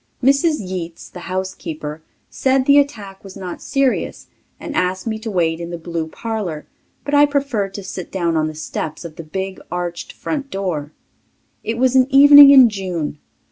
Mrs. Yeats, the housekeeper, said the attack was not serious and asked me to wait in the blue parlour, but I preferred to sit down on the steps of the big, arched front door. It was an evening in June.